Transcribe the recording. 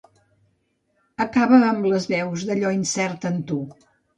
Acaba amb les veus d'allò incert en tu.